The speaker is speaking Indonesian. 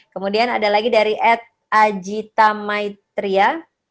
kemudian ada lagi dari ed ajitamaitria